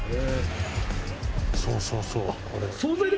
そうそうそう。